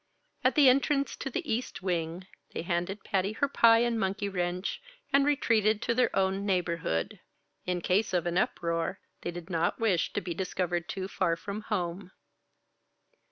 At the entrance to the East Wing, they handed Patty her pie and monkey wrench, and retreated to their own neighborhood. In case of an uproar, they did not wish to be discovered too far from home.